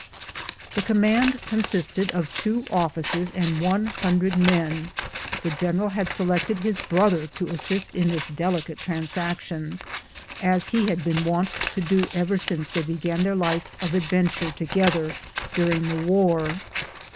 The command con sisted of two officers and a hundred men. The general had selected his brother to assist in this delicate transac tion, as he had been wont to do ever since they began their life of adventure together during the war.